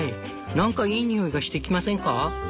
なんかいい匂いがしてきませんか？」。